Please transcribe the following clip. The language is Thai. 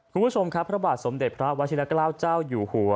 คุณผู้ชมครับพระบาทสมเด็จพระวัชิละเกล้าเจ้าอยู่หัว